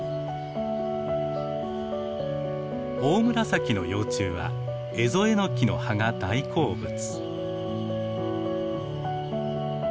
オオムラサキの幼虫はエゾエノキの葉が大好物。